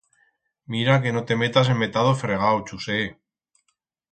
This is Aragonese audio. Mira que no te metas en metat d'o fregau, Chusé!